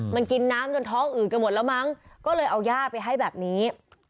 มันกินน้ำจนท้องอื่นกันหมดแล้วมั้งก็เลยเอาย่าไปให้แบบนี้